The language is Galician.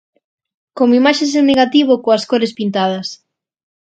Como imaxes en negativo coas cores pintadas.